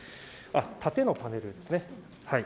縦のパネルですね。